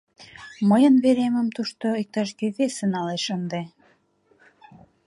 Мыйын веремым тушто иктаж-кӧ весе налеш ынде.